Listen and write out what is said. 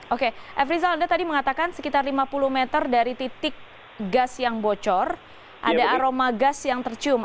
oke f rizal anda tadi mengatakan sekitar lima puluh meter dari titik gas yang bocor ada aroma gas yang tercium